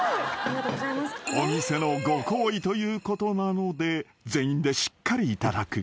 ［お店のご厚意ということなので全員でしっかりいただく］